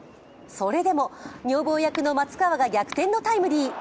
それでも女房役の松川が逆転のタイムリー。